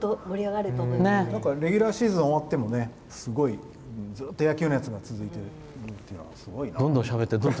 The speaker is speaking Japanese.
レギュラーシーズンが終わってもすごいずっと野球熱が続いているというのはすごいなと。